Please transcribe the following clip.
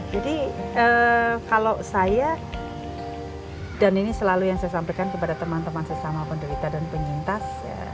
jadi kalau saya dan ini selalu yang saya sampaikan kepada teman teman sesama penderita dan penyintas